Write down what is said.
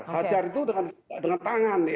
hajar itu dengan tangan